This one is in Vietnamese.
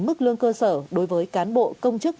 mức lương cơ sở đối với cán bộ công chức